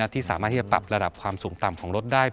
ที่สามารถที่จะปรับระดับความสูงต่ำของรถได้